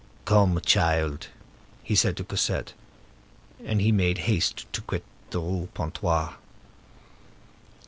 "Come, child," he said to Cosette; and he made haste to quit the Rue Pontoise.